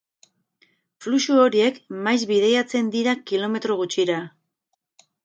Fluxu horiek maiz bidaiatzen dira kilometro gutxira.